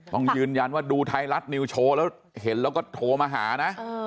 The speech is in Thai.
ต้องยืนยันว่าดูไทยรัฐนิวโชว์แล้วเห็นแล้วก็โทรมาหานะ